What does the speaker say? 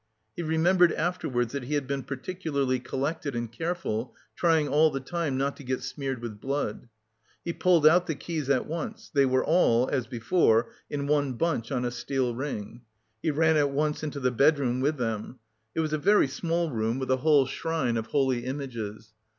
He remembered afterwards that he had been particularly collected and careful, trying all the time not to get smeared with blood.... He pulled out the keys at once, they were all, as before, in one bunch on a steel ring. He ran at once into the bedroom with them. It was a very small room with a whole shrine of holy images.